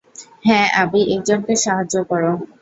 হ্যাঁ, অ্যাবি, একজনকে সাহায্য করো।